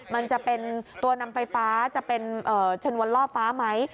มันจะเป็นตัวนำไฟฟ้าจะเป็นชนวนล่อฟ้าไหม